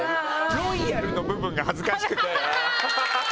「ロイヤル」の部分が恥ずかしくて。